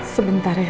tidak ada apa apa